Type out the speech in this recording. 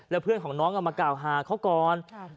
แล้วเพื่อนของน้องเอามากล่าวหาเขาก่อน